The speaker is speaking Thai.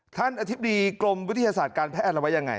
ท่านอธิบดีกรมวิทยาศาสตร์การแพทย์แอดละไว้อย่างไร